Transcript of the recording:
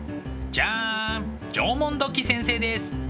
ジャン縄文土器先生です。